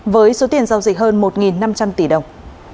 với số tiền giao dịch hơn một năm trăm linh tỷ đồng